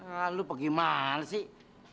ah kamu pergi mana sih